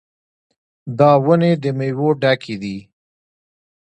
دا ونې د میوو ډکې دي.